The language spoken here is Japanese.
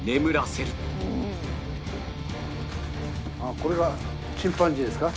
これがチンパンジーですか？